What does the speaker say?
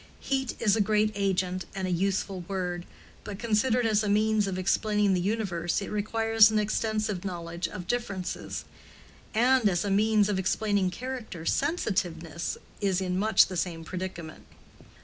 Heat is a great agent and a useful word, but considered as a means of explaining the universe it requires an extensive knowledge of differences; and as a means of explaining character "sensitiveness" is in much the same predicament.